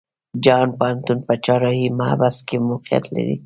جهان پوهنتون په چهارراهی محبس کې موقيعت لري.